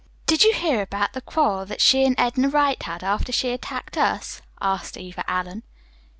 "Did you hear about the quarrel that she and Edna Wright had, after she attacked us?" asked Eva Allen.